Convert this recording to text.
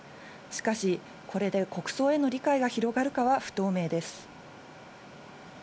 しかし、これで国葬への理解が広がるかは不透明です。